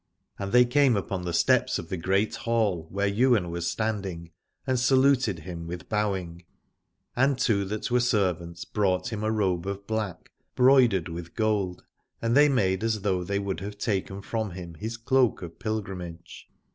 And they came upon the steps of the great hall, where Ywain was standing, and saluted him with bowing ; and two that were ser vants brought him a robe of black, broidered with gold, and they made as though they would have taken from him his cloak of pilgrimage.